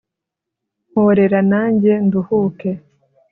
mporera nanjye nduhuke